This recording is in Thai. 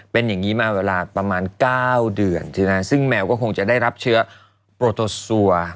เป็นอย่างนี้มาเวลาประมาณ๙เดือนซึ่งแมวก็คงจะได้รับเชื้อโปรโตซัว